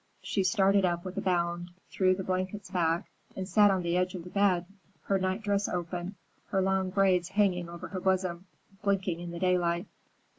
She started up with a bound, threw the blankets back and sat on the edge of the bed, her night dress open, her long braids hanging over her bosom, blinking at the daylight.